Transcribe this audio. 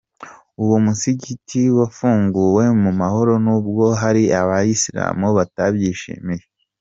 Uwo musigiti wafunguwe mu mahoro nubwo hari Abayisilamu batabyishimiye.